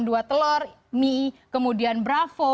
dua telur mie kemudian bravo